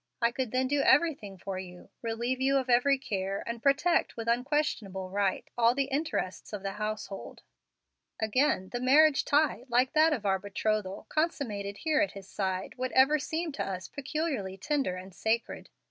I could then do everything for you, relieve you of every care, and protect with unquestionable right all the interests of the household. Again, the marriage tie, like that of our betrothal, consummated here at his side, would ever seem to us peculiarly tender and sacred.